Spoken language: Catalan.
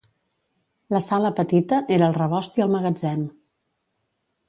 La sala petita era el rebost i el magatzem.